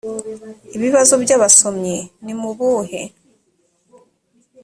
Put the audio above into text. ibibazo by abasomyi ni mu buhe